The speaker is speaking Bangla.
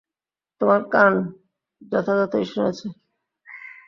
তোমার কান যথাযথই শুনেছে।